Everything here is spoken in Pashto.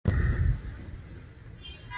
د تا کور چېرته ده او کله راځې